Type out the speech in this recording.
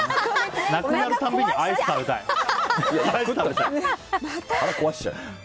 なくなるたびにアイス食べたい！って。